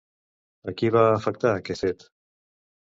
A qui va afectar aquest fet?